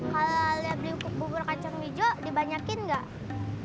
kalau alia beli bubur kacang hijau dibanyakin enggak